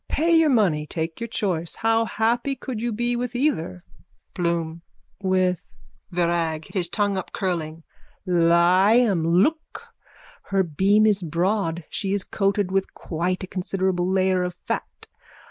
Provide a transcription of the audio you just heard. Pay your money, take your choice. How happy could you be with either... BLOOM: With...? VIRAG: (His tongue upcurling.) Lyum! Look. Her beam is broad. She is coated with quite a considerable layer of fat.